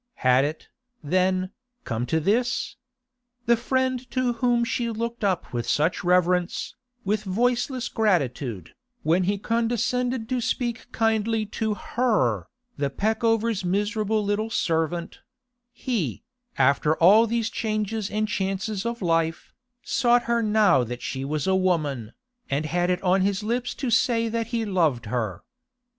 Had it, then, come to this? The friend to whom she looked up with such reverence, with voiceless gratitude, when he condescended to speak kindly to her, the Peckovers' miserable little servant—he, after all these changes and chances of life, sought her now that she was a woman, and had it on his lips to say that he loved her.